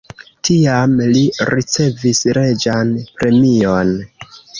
Tiam li ricevis reĝan premion.